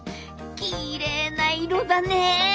きれいな色だねえ。